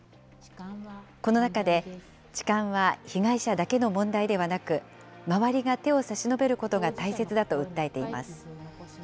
この中で、痴漢は被害者だけの問題ではなく、周りが手を差し伸べることが大切だと訴えています。